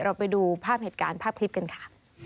ไปดูภาพเหตุการณ์ภาพคลิปกันค่ะ